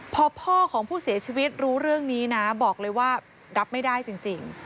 พอพ่อของผู้เสียชีวิตรู้เรื่องนี้นะบอกเลยว่ารับไม่ได้จริง